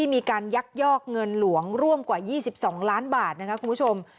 มีการยักยอกเงินหลวงร่วมกว่า๒๒ล้านบาทนะครับคุณผู้ชม